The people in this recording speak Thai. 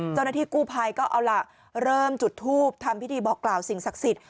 เจ้าหน้าที่กู้ภัยก็เอาล่ะเริ่มจุดทูปทำพิธีบอกกล่าวสิ่งศักดิ์สิทธิ